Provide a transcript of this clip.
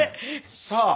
さあ。